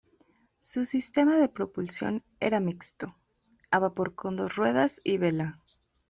Su sistema de propulsión era mixto, a vapor con dos ruedas y vela.